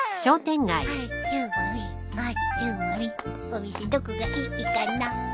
お店どこがいいかな。